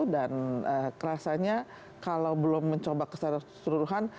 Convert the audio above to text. dan rasanya kalau belum mencoba keseluruhan